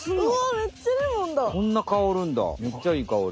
めっちゃいいかおり。